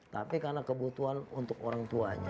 tapi karena kebutuhan untuk orang tuanya